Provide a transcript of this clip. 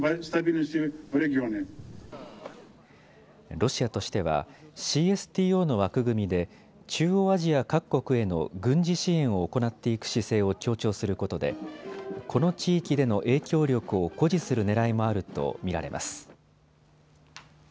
ロシアとしてはＣＳＴＯの枠組みで中央アジア各国への軍事支援を行っていく姿勢を強調することでこの地域での影響力を誇示するねらいもあると見られます。